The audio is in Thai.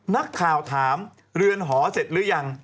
นักข่าวถามเรือนหอเสร็จหรือยัง